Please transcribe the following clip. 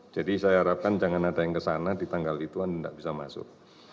jadi saya harapkan jangan ada yang kesana di tanggal ituan dan enggak bisa masuk